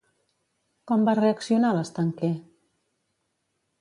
Com va reaccionar l'estanquer?